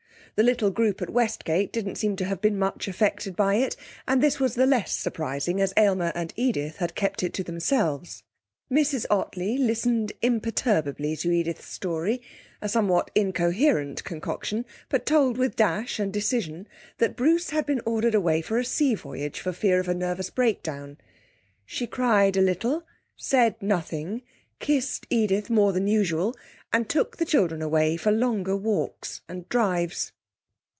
The little group at Westgate didn't seem to have much been affected by it; and this was the less surprising as Aylmer and Edith had kept it to themselves. Mrs Ottley listened imperturbably to Edith's story, a somewhat incoherent concoction, but told with dash and decision, that Bruce had been ordered away for a sea voyage for fear of a nervous breakdown. She cried a little, said nothing, kissed Edith more than usual, and took the children away for longer walks and drives.